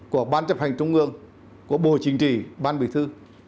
của ban chấp hành trung ương của bộ chính trị ban bí thư